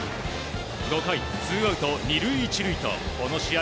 ５回、ツーアウト２塁１塁とこの試合